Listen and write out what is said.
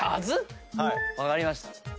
分かりました。